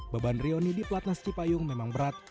beban rioni di pelat nas cipayung memang berat